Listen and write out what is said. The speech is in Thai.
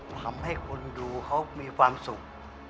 ทำให้คนดูเขามีความสุข